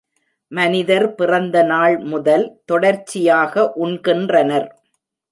மனிதர் பிறந்த நாள் முதல் தொடர்ச்சியாக உண்கின்றனர்.